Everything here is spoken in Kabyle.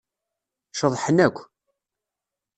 Ceḍḥen akk.